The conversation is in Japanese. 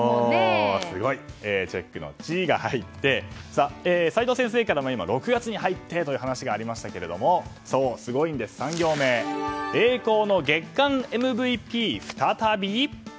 チェックの「チ」が入って齋藤先生からも、６月に入ってという話がありましたが３行目、栄光の月間ＭＶＰ再び？